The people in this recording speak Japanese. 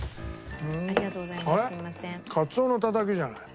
カツオのタタキじゃない。